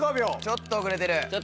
ちょっと遅れてる。